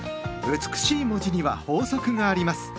美しい文字には法則があります。